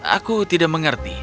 aku tidak mengerti